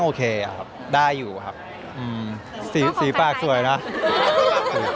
งามอยู่ที่หน้ายุด้วยครับ